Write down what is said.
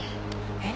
えっ？